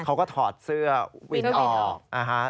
เขาก็ถอดเสื้อวินออกนะฮะ